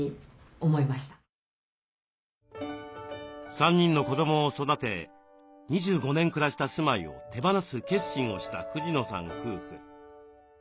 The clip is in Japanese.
３人の子どもを育て２５年暮らした住まいを手放す決心をした藤野さん夫婦。